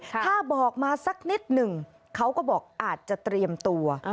ถ้าบอกมาสักนิดหนึ่งเขาก็บอกอาจจะเตรียมตัว